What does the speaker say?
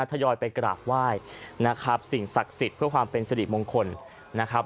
ทยอยไปกราบไหว้นะครับสิ่งศักดิ์สิทธิ์เพื่อความเป็นสิริมงคลนะครับ